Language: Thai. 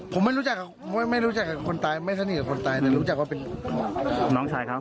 ผมไม่รู้จักไม่รู้จักกับคนตายไม่สนิทกับคนตายแต่รู้จักว่าเป็นน้องชายเขา